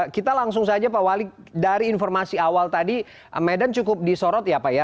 kita langsung saja pak wali dari informasi awal tadi medan cukup disorot ya pak ya